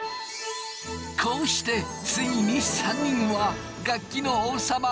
こうしてついに３人は楽器の王様ピアノになった！